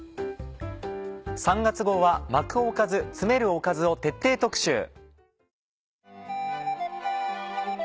３月号は「巻くおかず、詰めるおかず」を徹底特集。